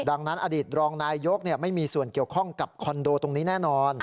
ดังนั้นอดีตรองนายยกไม่มีส่วนเกี่ยวข้องกับคอนโดตรงนี้แน่นอน